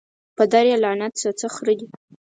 پدر یې لعنت سه څه خره دي